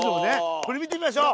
これ見てみましょう！